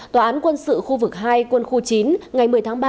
tòa án quân sự khu vực hai quân khu chín ngày một mươi tháng ba